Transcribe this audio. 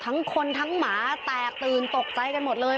ทั้งคนทั้งหมาแตกตื่นตกใจกันหมดเลย